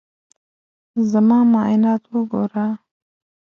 زما معاینات وګوره.